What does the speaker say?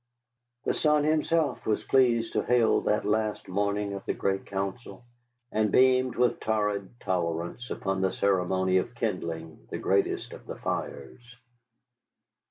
The sun himself was pleased to hail that last morning of the great council, and beamed with torrid tolerance upon the ceremony of kindling the greatest of the fires.